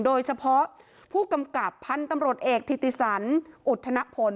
โดยเฉพาะผู้กำกับพันธุ์ตำรวจเอกธิติสันอุทธนพล